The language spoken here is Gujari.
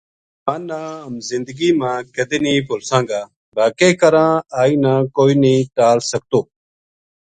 اس جوان نا ہم زندگی ما کَدے نیہہ بھُلساں گا با کے کراں آئی نا کوئی ٹال نیہہ سکتو